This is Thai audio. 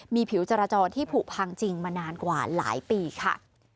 มีผิวจรจรที่ผูกพังจริงมานานกว่าหลายปีค่ะ